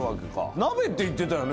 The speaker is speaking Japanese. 鍋って言ってたよね？